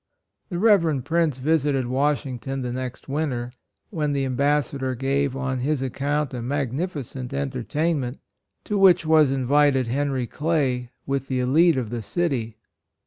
The Reverend Prince visited Washington the next winter, when the Ambassador gave on his account a magnificent en tertainment, to which was invited Henry Clay, with the elite of the city.